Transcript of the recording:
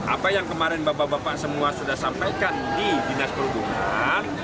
apa yang kemarin bapak bapak semua sudah sampaikan di dinas perhubungan